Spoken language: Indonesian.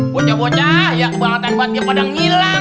bocah bocah ya kebangatan buat dia pada ngilang